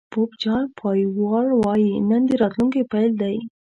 پوپ جان پایول وایي نن د راتلونکي پيل دی.